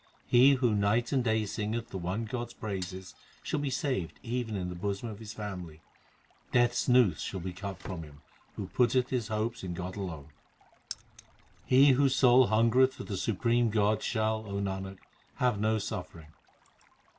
He who night and day singeth the one God s praises Shall be saved even in the bosom of his family. Death s noose shall be cut for him Who putteth his hopes in God alone. HYMNS OF GURU ARJAN 241 He whose soul hungereth for the Supreme God, Shall, O Nanak, have no suffering.